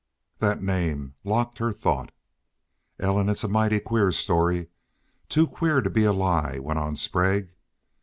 That name locked her thought. "Ellen, it's a mighty queer story too queer to be a lie," went on Sprague.